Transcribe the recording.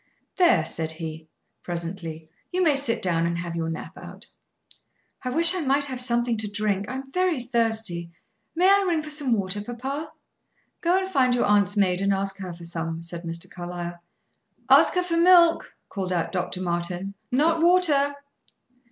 "There," said he, presently, "you may sit down and have your nap out." "I wish I might have something to drink; I am very thirsty. May I ring for some water, papa?" "Go and find your aunt's maid, and ask her for some," said Mr. Carlyle. "Ask her for milk," called out Dr. Martin. "Not water."